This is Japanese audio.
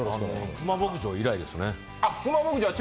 熊牧場以来ですね。